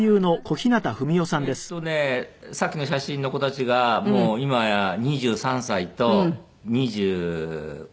さっきの写真の子たちがもう今や２３歳と２６歳ですね。